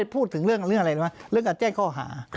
พูดถึงเรื่องอะไรรู้ไหมเรื่องการแจ้งข้อหา